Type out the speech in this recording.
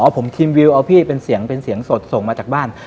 ผมทีมวิวเอาพี่เป็นเสียงเป็นเสียงสดส่งมาจากบ้าน